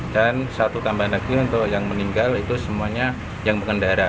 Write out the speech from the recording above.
dan satu tambahan lagi untuk yang meninggal itu semuanya yang mengendara